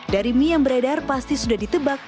dari mie yang beredar pasti sudah ditebak